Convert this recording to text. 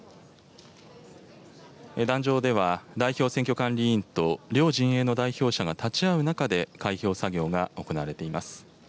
壇上では、代表選挙管理委員と両陣営の代表者が立ち会う中で、開票作業が行われています。